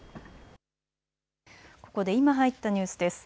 ここで今入ったニュースです。